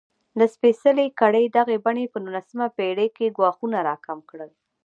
د سپېڅلې کړۍ دغې بڼې په نولسمه پېړۍ کې ګواښونه راکم کړل.